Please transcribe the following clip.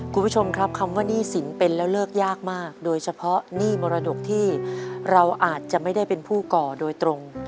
คุณผู้ชมครับคำว่าหนี้สินเป็นแล้วเลิกยากมากโดยเฉพาะหนี้มรดกที่เราอาจจะไม่ได้เป็นผู้ก่อโดยตรง